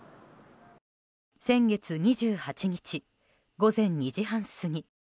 先月２８日午前２時半過ぎ